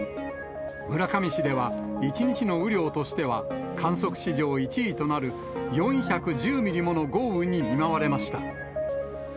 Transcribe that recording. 村上市では１日の雨量としては観測史上１位となる４１０ミリもの豪雨に見舞われました。